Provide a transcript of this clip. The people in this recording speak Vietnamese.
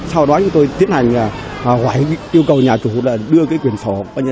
sau đó chúng tôi tiến hành gọi yêu cầu nhà chủ đưa cái quyền sổ